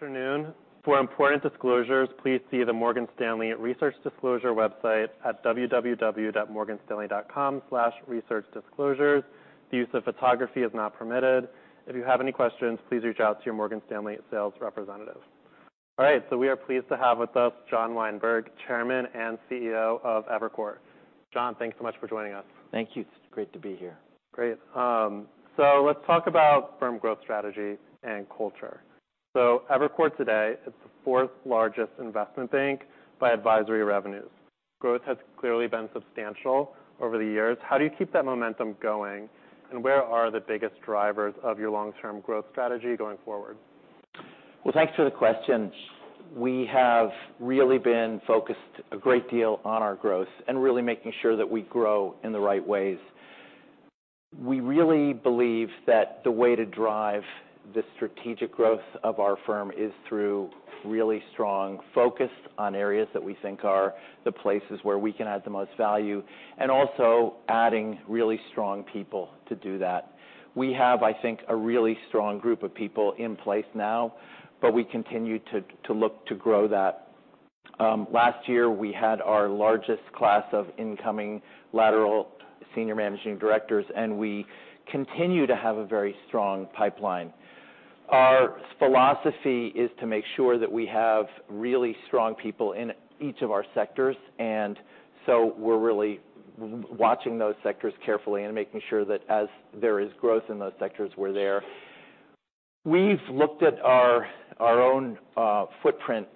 Afternoon. For important disclosures, please see the Morgan Stanley Research Disclosure website at www.morganstanley.com/researchdisclosures. The use of photography is not permitted. If you have any questions, please reach out to your Morgan Stanley sales representative. All right. So we are pleased to have with us John Weinberg, Chairman and CEO of Evercore. John, thanks so much for joining us. Thank you. It's great to be here. Great. So let's talk about firm growth strategy and culture. Evercore today, it's the fourth largest investment bank by advisory revenues. Growth has clearly been substantial over the years. How do you keep that momentum going? And where are the biggest drivers of your long-term growth strategy going forward? Well, thanks for the question. We have really been focused a great deal on our growth and really making sure that we grow in the right ways. We really believe that the way to drive the strategic growth of our firm is through really strong focus on areas that we think are the places where we can add the most value and also adding really strong people to do that. We have, I think, a really strong group of people in place now, but we continue to look to grow that. Last year, we had our largest class of incoming lateral senior managing directors, and we continue to have a very strong pipeline. Our philosophy is to make sure that we have really strong people in each of our sectors. We're really watching those sectors carefully and making sure that as there is growth in those sectors, we're there. We've looked at our own footprint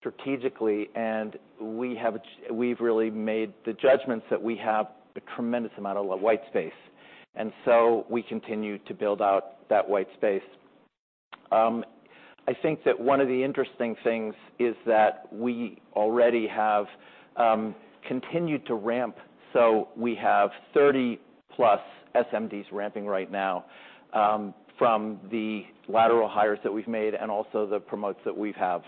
strategically, and we've really made the judgments that we have a tremendous amount of white space. We continue to build out that white space. I think that one of the interesting things is that we already have continued to ramp. We have 30+ SMDs ramping right now from the lateral hires that we've made and also the promotes that we have.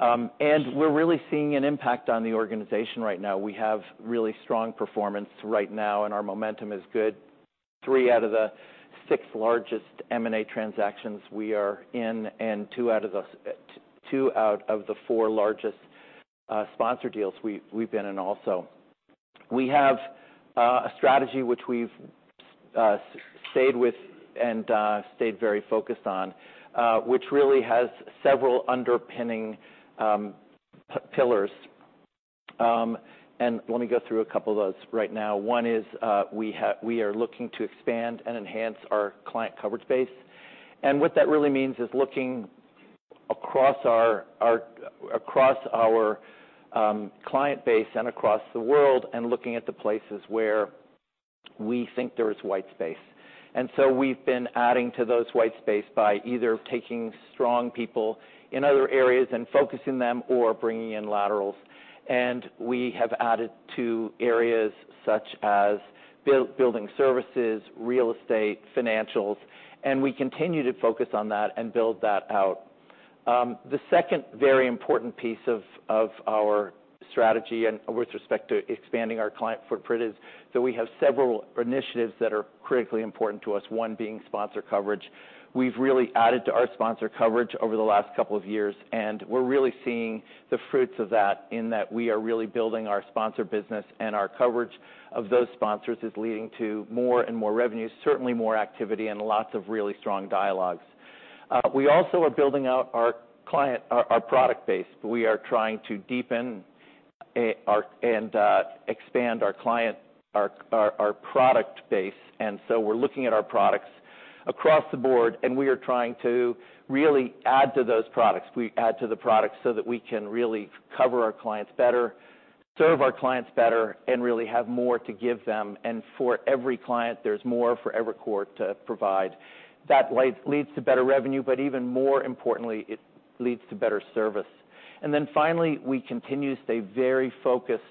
We're really seeing an impact on the organization right now. We have really strong performance right now, and our momentum is good. Three out of the six largest M&A transactions we are in, and two out of the four largest sponsor deals we've been in also. We have a strategy which we've stayed with and stayed very focused on, which really has several underpinning pillars. Let me go through a couple of those right now. One is we are looking to expand and enhance our client coverage base. What that really means is looking across our client base and across the world and looking at the places where we think there is white space. So we've been adding to those white space by either taking strong people in other areas and focusing them or bringing in laterals. We have added to areas such as building services, real estate, financials. We continue to focus on that and build that out. The second very important piece of our strategy with respect to expanding our client footprint is that we have several initiatives that are critically important to us, one being sponsor coverage. We've really added to our sponsor coverage over the last couple of years, and we're really seeing the fruits of that in that we are really building our sponsor business, and our coverage of those sponsors is leading to more and more revenue, certainly more activity, and lots of really strong dialogues. We also are building out our product base. We are trying to deepen and expand our product base. And so we're looking at our products across the board, and we are trying to really add to those products. We add to the products so that we can really cover our clients better, serve our clients better, and really have more to give them. And for every client, there's more for Evercore to provide. That leads to better revenue, but even more importantly, it leads to better service. And then finally, we continue to stay very focused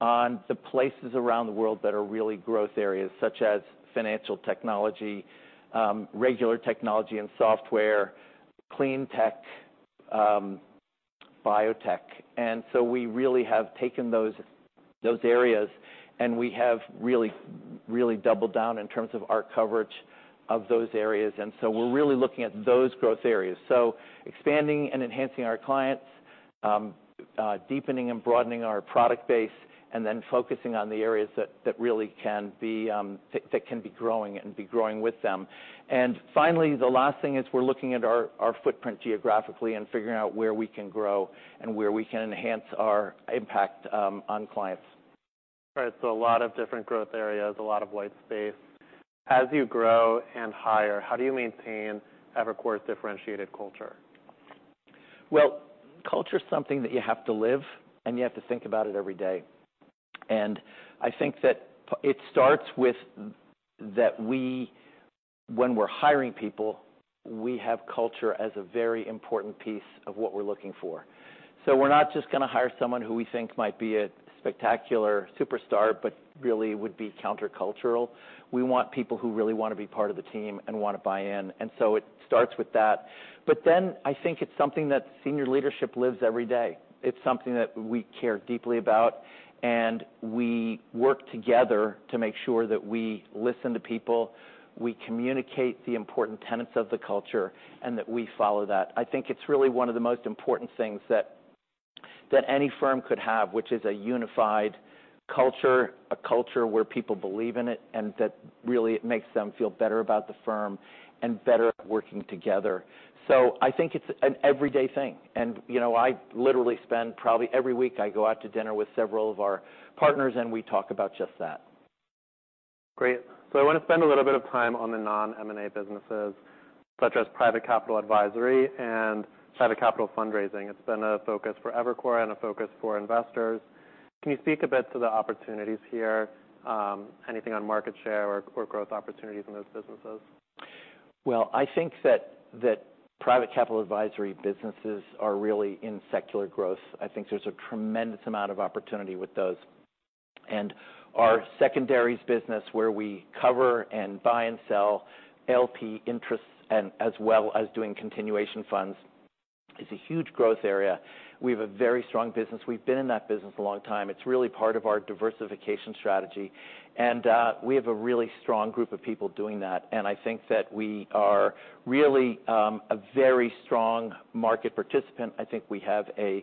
on the places around the world that are really growth areas, such as financial technology, regular technology and software, clean tech, biotech. And so we really have taken those areas, and we have really doubled down in terms of our coverage of those areas. And so we're really looking at those growth areas. So expanding and enhancing our clients, deepening and broadening our product base, and then focusing on the areas that really can be growing and be growing with them. And finally, the last thing is we're looking at our footprint geographically and figuring out where we can grow and where we can enhance our impact on clients. All right. So a lot of different growth areas, a lot of white space. As you grow and hire, how do you maintain Evercore's differentiated culture? Well, culture is something that you have to live, and you have to think about it every day. And I think that it starts with that when we're hiring people, we have culture as a very important piece of what we're looking for. So we're not just going to hire someone who we think might be a spectacular superstar, but really would be countercultural. We want people who really want to be part of the team and want to buy in. And so it starts with that. But then I think it's something that senior leadership lives every day. It's something that we care deeply about, and we work together to make sure that we listen to people, we communicate the important tenets of the culture, and that we follow that. I think it's really one of the most important things that any firm could have, which is a unified culture, a culture where people believe in it, and that really makes them feel better about the firm and better at working together. So I think it's an everyday thing. And I literally spend probably every week. I go out to dinner with several of our partners, and we talk about just that. Great. So I want to spend a little bit of time on the non-M&A businesses, such as Private Capital Advisory and private capital fundraising. It's been a focus for Evercore and a focus for investors. Can you speak a bit to the opportunities here? Anything on market share or growth opportunities in those businesses? Well, I think that Private Capital Advisory businesses are really in secular growth. I think there's a tremendous amount of opportunity with those. And our secondaries business, where we cover and buy and sell LP interests as well as doing continuation funds, is a huge growth area. We have a very strong business. We've been in that business a long time. It's really part of our diversification strategy. And we have a really strong group of people doing that. And I think that we are really a very strong market participant. I think we have a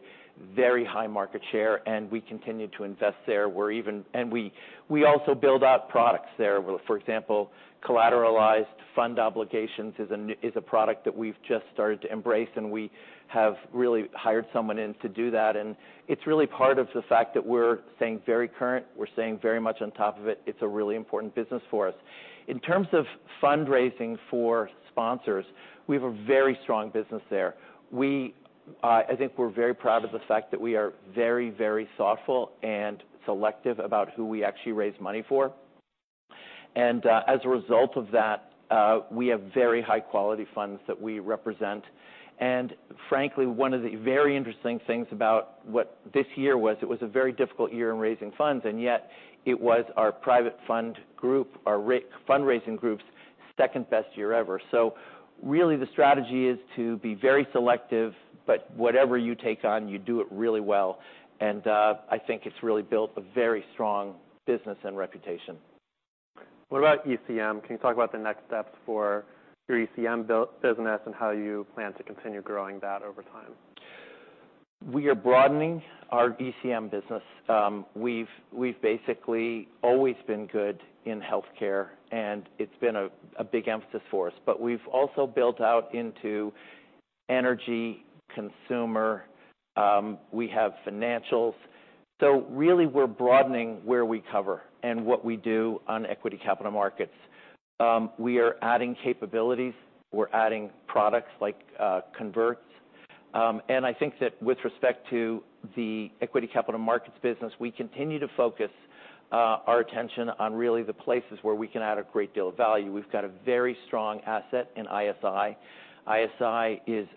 very high market share, and we continue to invest there. And we also build out products there. For example, collateralized fund obligations is a product that we've just started to embrace, and we have really hired someone in to do that. And it's really part of the fact that we're staying very current. We're staying very much on top of it. It's a really important business for us. In terms of fundraising for sponsors, we have a very strong business there. I think we're very proud of the fact that we are very, very thoughtful and selective about who we actually raise money for. And as a result of that, we have very high-quality funds that we represent. And frankly, one of the very interesting things about what this year was, it was a very difficult year in raising funds, and yet it was our Private Funds Group, our fundraising group's second-best year ever. So really, the strategy is to be very selective, but whatever you take on, you do it really well. And I think it's really built a very strong business and reputation. What about ECM? Can you talk about the next steps for your ECM business and how you plan to continue growing that over time? We are broadening our ECM business. We've basically always been good in healthcare, and it's been a big emphasis for us. But we've also built out into energy, consumer. We have financials. So really, we're broadening where we cover and what we do on equity capital markets. We are adding capabilities. We're adding products like converts. And I think that with respect to the equity capital markets business, we continue to focus our attention on really the places where we can add a great deal of value. We've got a very strong asset in ISI. ISI is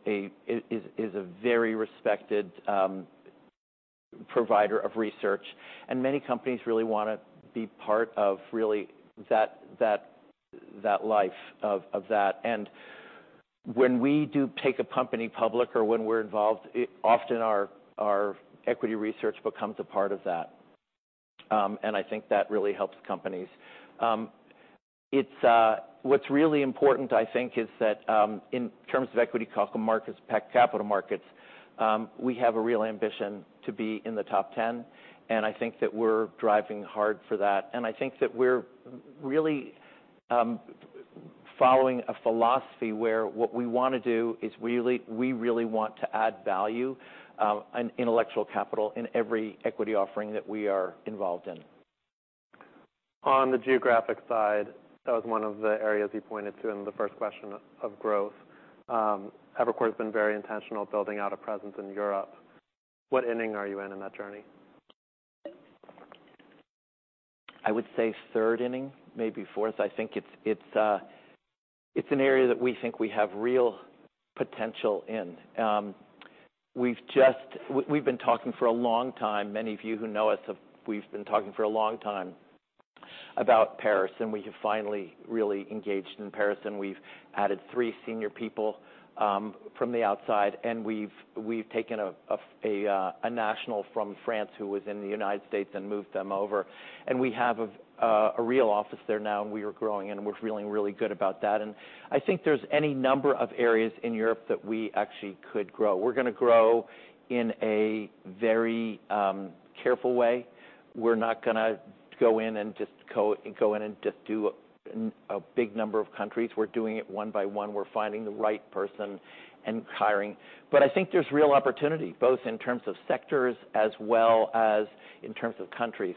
a very respected provider of research, and many companies really want to be part of really that life of that. And when we do take a company public or when we're involved, often our equity research becomes a part of that. And I think that really helps companies. What's really important, I think, is that in terms of equity capital markets, we have a real ambition to be in the top 10. And I think that we're driving hard for that. And I think that we're really following a philosophy where what we want to do is we really want to add value and intellectual capital in every equity offering that we are involved in. On the geographic side, that was one of the areas you pointed to in the first question of growth. Evercore has been very intentional building out a presence in Europe. What inning are you in that journey? I would say third inning, maybe fourth. I think it's an area that we think we have real potential in. We've been talking for a long time. Many of you who know us, we've been talking for a long time about Paris. We have finally really engaged in Paris. We've added three senior people from the outside. We've taken a national from France who was in the United States and moved them over. We have a real office there now, and we are growing, and we're feeling really good about that. I think there's any number of areas in Europe that we actually could grow. We're going to grow in a very careful way. We're not going to go in and just go in and just do a big number of countries. We're doing it one by one. We're finding the right person and hiring. But I think there's real opportunity, both in terms of sectors as well as in terms of countries.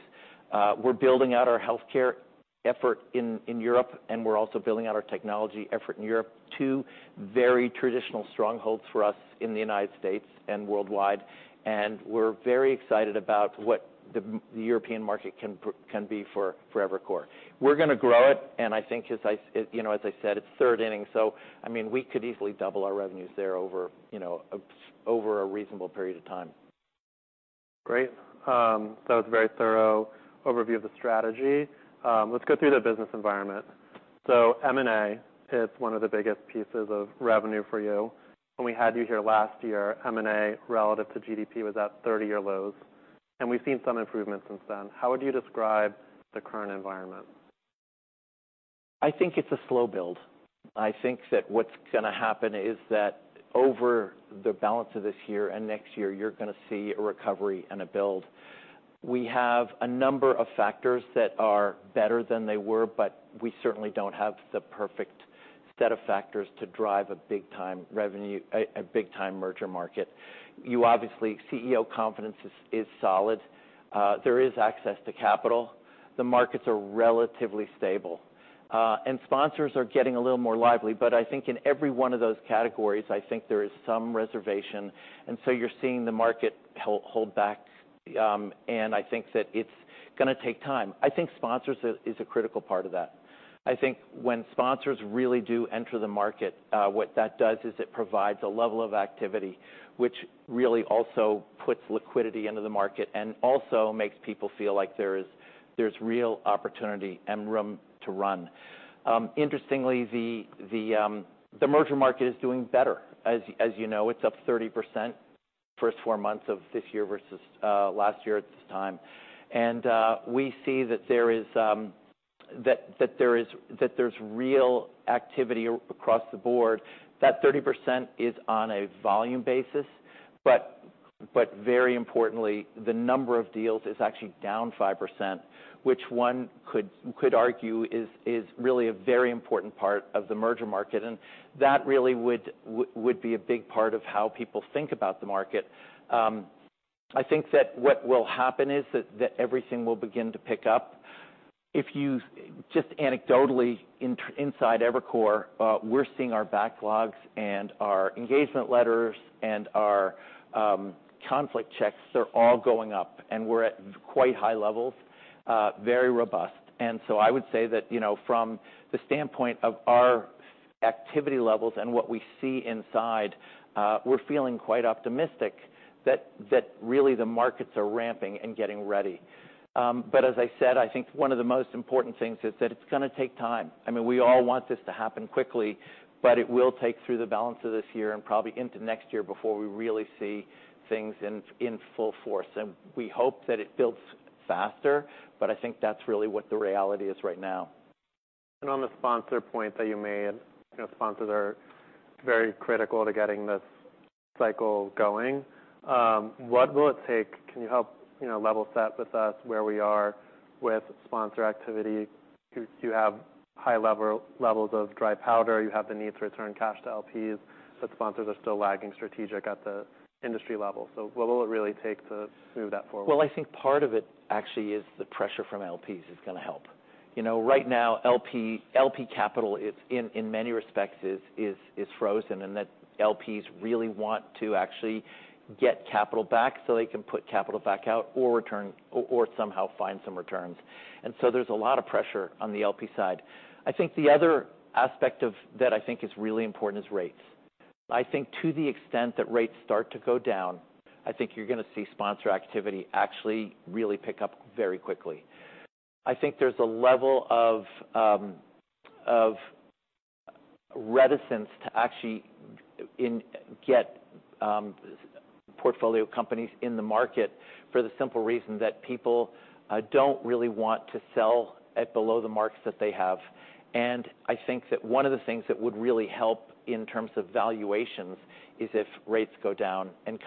We're building out our healthcare effort in Europe, and we're also building out our technology effort in Europe to very traditional strongholds for us in the United States and worldwide. And we're very excited about what the European market can be for Evercore. We're going to grow it. And I think, as I said, it's third inning. So I mean, we could easily double our revenues there over a reasonable period of time. Great. That was a very thorough overview of the strategy. Let's go through the business environment. So M&A, it's one of the biggest pieces of revenue for you. When we had you here last year, M&A relative to GDP was at 30-year lows. And we've seen some improvement since then. How would you describe the current environment? I think it's a slow build. I think that what's going to happen is that over the balance of this year and next year, you're going to see a recovery and a build. We have a number of factors that are better than they were, but we certainly don't have the perfect set of factors to drive a big-time merger market. CEO confidence is solid. There is access to capital. The markets are relatively stable. And sponsors are getting a little more lively. But I think in every one of those categories, I think there is some reservation. And so you're seeing the market hold back. And I think that it's going to take time. I think sponsors is a critical part of that. I think when sponsors really do enter the market, what that does is it provides a level of activity, which really also puts liquidity into the market and also makes people feel like there's real opportunity and room to run. Interestingly, the merger market is doing better. As you know, it's up 30% first four months of this year versus last year at this time. We see that there's real activity across the board. That 30% is on a volume basis. Very importantly, the number of deals is actually down 5%, which one could argue is really a very important part of the merger market. That really would be a big part of how people think about the market. I think that what will happen is that everything will begin to pick up. Just anecdotally, inside Evercore, we're seeing our backlogs and our engagement letters and our conflict checks. They're all going up, and we're at quite high levels, very robust. So I would say that from the standpoint of our activity levels and what we see inside, we're feeling quite optimistic that really the markets are ramping and getting ready. But as I said, I think one of the most important things is that it's going to take time. I mean, we all want this to happen quickly, but it will take through the balance of this year and probably into next year before we really see things in full force. We hope that it builds faster, but I think that's really what the reality is right now. On the sponsor point that you made, sponsors are very critical to getting this cycle going. What will it take? Can you help level set with us where we are with sponsor activity? You have high levels of dry powder. You have the need to return cash to LPs, but sponsors are still lagging strategic at the industry level. So what will it really take to move that forward? Well, I think part of it actually is the pressure from LPs is going to help. Right now, LP capital in many respects is frozen, and LPs really want to actually get capital back so they can put capital back out or return or somehow find some returns. And so there's a lot of pressure on the LP side. I think the other aspect that I think is really important is rates. I think to the extent that rates start to go down, I think you're going to see sponsor activity actually really pick up very quickly. I think there's a level of reticence to actually get portfolio companies in the market for the simple reason that people don't really want to sell below the marks that they have. I think that one of the things that would really help in terms of valuations is if rates go down and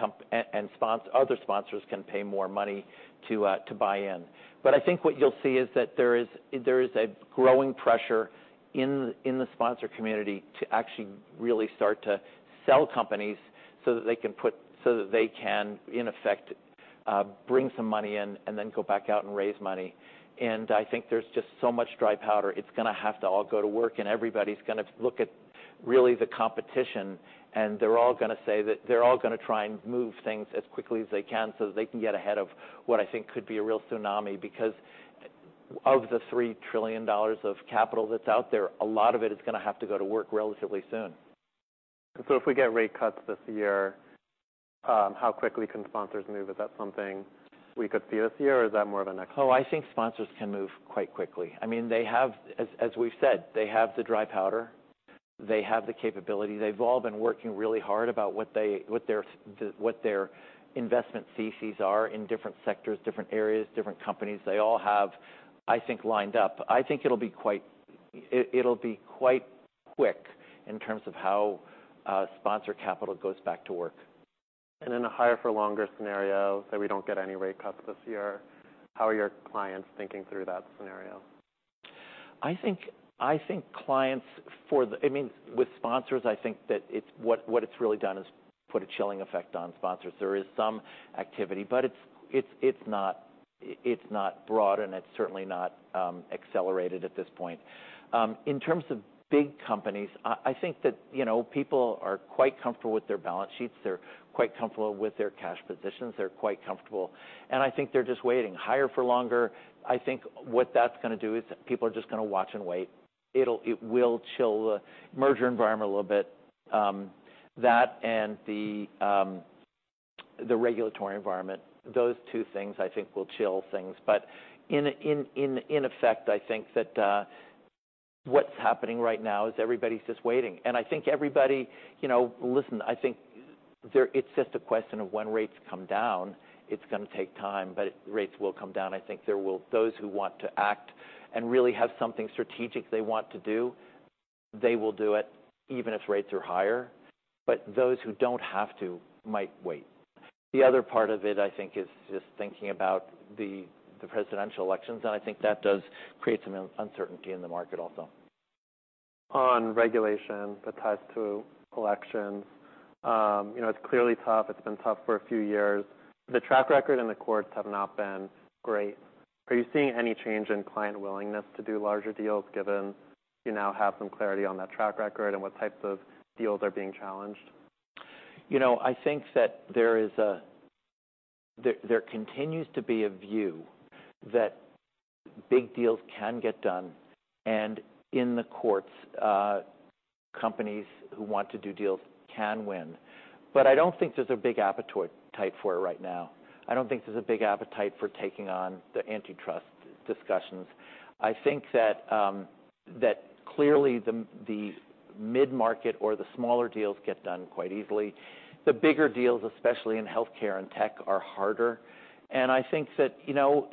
other sponsors can pay more money to buy in. But I think what you'll see is that there is a growing pressure in the sponsor community to actually really start to sell companies so that they can in effect bring some money in and then go back out and raise money. I think there's just so much dry powder. It's going to have to all go to work, and everybody's going to look at really the competition, and they're all going to say that they're all going to try and move things as quickly as they can so that they can get ahead of what I think could be a real tsunami because of the $3 trillion of capital that's out there, a lot of it is going to have to go to work relatively soon. So if we get rate cuts this year, how quickly can sponsors move? Is that something we could see this year, or is that more of a next? Oh, I think sponsors can move quite quickly. I mean, as we've said, they have the dry powder. They have the capability. They've all been working really hard about what their investment theses are in different sectors, different areas, different companies. They all have, I think, lined up. I think it'll be quite quick in terms of how sponsor capital goes back to work. In a higher for longer scenario, say we don't get any rate cuts this year, how are your clients thinking through that scenario? I think clients for the, I mean, with sponsors, I think that what it's really done is put a chilling effect on sponsors. There is some activity, but it's not broad, and it's certainly not accelerated at this point. In terms of big companies, I think that people are quite comfortable with their balance sheets. They're quite comfortable with their cash positions. They're quite comfortable. And I think they're just waiting. Higher for longer. I think what that's going to do is people are just going to watch and wait. It will chill the merger environment a little bit. That and the regulatory environment, those two things I think will chill things. But in effect, I think that what's happening right now is everybody's just waiting. And I think everybody, listen, I think it's just a question of when rates come down. It's going to take time, but rates will come down. I think there will be those who want to act and really have something strategic they want to do, they will do it even if rates are higher. But those who don't have to might wait. The other part of it, I think, is just thinking about the presidential elections. I think that does create some uncertainty in the market also. On regulation that ties to elections, it's clearly tough. It's been tough for a few years. The track record in the courts has not been great. Are you seeing any change in client willingness to do larger deals given you now have some clarity on that track record and what types of deals are being challenged? You know, I think that there continues to be a view that big deals can get done. And in the courts, companies who want to do deals can win. But I don't think there's a big appetite for it right now. I don't think there's a big appetite for taking on the antitrust discussions. I think that clearly the mid-market or the smaller deals get done quite easily. The bigger deals, especially in healthcare and tech, are harder. And I think that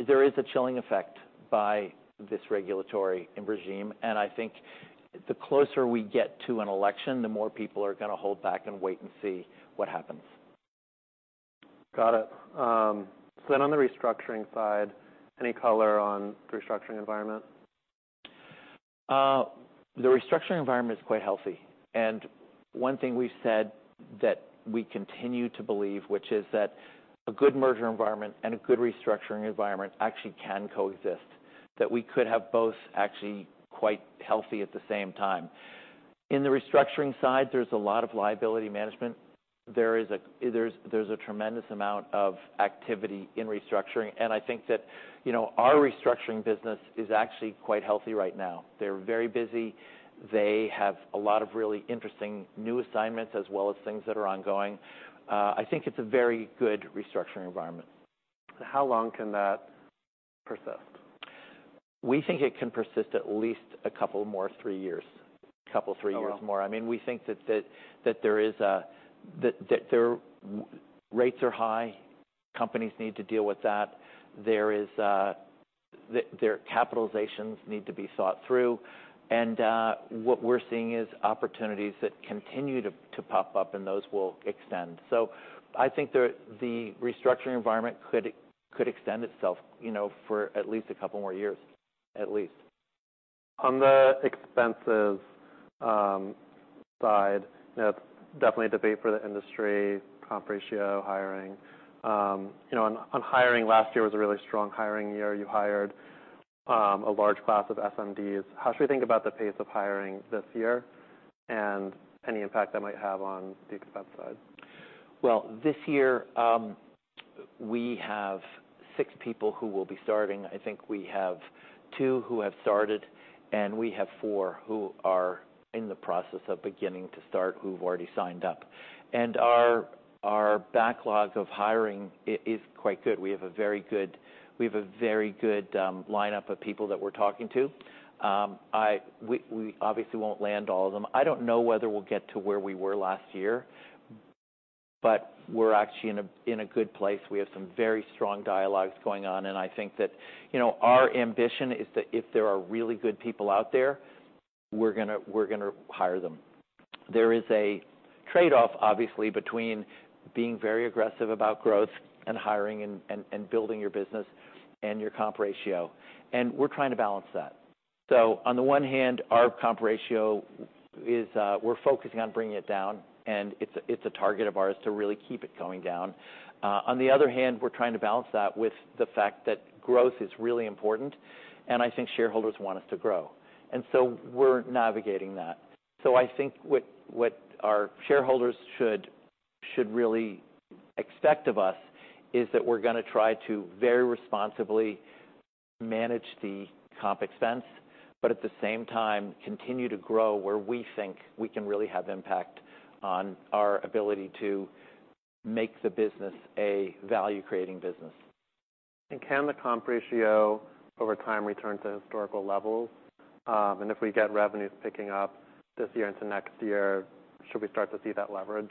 there is a chilling effect by this regulatory regime. And I think the closer we get to an election, the more people are going to hold back and wait and see what happens. Got it. So then on the restructuring side, any color on the restructuring environment? The restructuring environment is quite healthy. One thing we've said that we continue to believe, which is that a good merger environment and a good restructuring environment actually can coexist, that we could have both actually quite healthy at the same time. In the restructuring side, there's a lot of liability management. There is a tremendous amount of activity in restructuring. I think that our restructuring business is actually quite healthy right now. They're very busy. They have a lot of really interesting new assignments as well as things that are ongoing. I think it's a very good restructuring environment. How long can that persist? We think it can persist at least a couple more three years, a couple three years more. I mean, we think that there is a, that their rates are high. Companies need to deal with that. Their capitalizations need to be thought through. And what we're seeing is opportunities that continue to pop up, and those will extend. So I think the restructuring environment could extend itself for at least a couple more years, at least. On the expenses side, there's definitely a debate for the industry, comp ratio, hiring. On hiring, last year was a really strong hiring year. You hired a large class of SMDs. How should we think about the pace of hiring this year and any impact that might have on the expense side? Well, this year, we have 6 people who will be starting. I think we have 2 who have started, and we have 4 who are in the process of beginning to start, who've already signed up. And our backlog of hiring is quite good. We have a very good lineup of people that we're talking to. We obviously won't land all of them. I don't know whether we'll get to where we were last year, but we're actually in a good place. We have some very strong dialogues going on. And I think that our ambition is that if there are really good people out there, we're going to hire them. There is a trade-off, obviously, between being very aggressive about growth and hiring and building your business and your comp ratio. And we're trying to balance that. On the one hand, our comp ratio, we're focusing on bringing it down. It's a target of ours to really keep it going down. On the other hand, we're trying to balance that with the fact that growth is really important. I think shareholders want us to grow. So we're navigating that. I think what our shareholders should really expect of us is that we're going to try to very responsibly manage the comp expense, but at the same time, continue to grow where we think we can really have impact on our ability to make the business a value-creating business. Can the comp ratio over time return to historical levels? If we get revenues picking up this year into next year, should we start to see that leverage?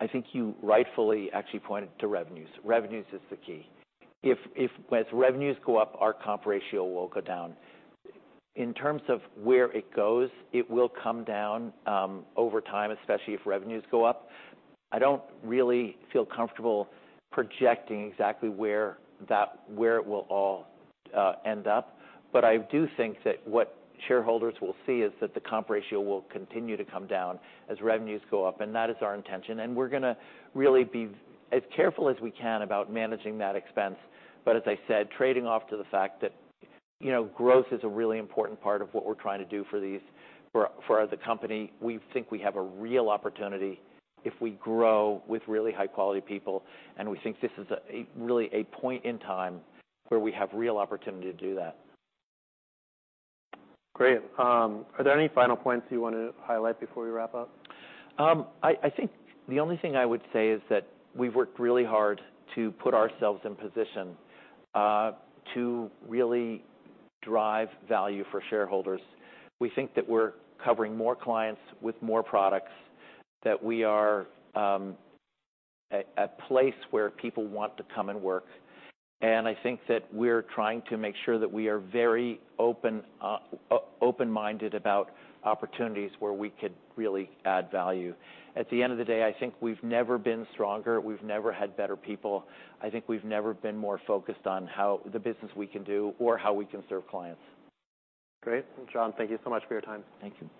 I think you rightfully actually pointed to revenues. Revenues is the key. If revenues go up, our comp ratio will go down. In terms of where it goes, it will come down over time, especially if revenues go up. I don't really feel comfortable projecting exactly where it will all end up. But I do think that what shareholders will see is that the comp ratio will continue to come down as revenues go up. And that is our intention. And we're going to really be as careful as we can about managing that expense. But as I said, trading off to the fact that growth is a really important part of what we're trying to do for the company. We think we have a real opportunity if we grow with really high-quality people. We think this is really a point in time where we have real opportunity to do that. Great. Are there any final points you want to highlight before we wrap up? I think the only thing I would say is that we've worked really hard to put ourselves in position to really drive value for shareholders. We think that we're covering more clients with more products, that we are at a place where people want to come and work. I think that we're trying to make sure that we are very open-minded about opportunities where we could really add value. At the end of the day, I think we've never been stronger. We've never had better people. I think we've never been more focused on the business we can do or how we can serve clients. Great. John, thank you so much for your time. Thank you.